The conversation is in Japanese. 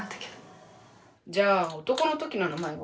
「じゃあ男のときの名前は？」。